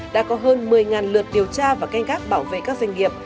đã có hơn một mươi lượt điều tra và canh gác bảo vệ các doanh nghiệp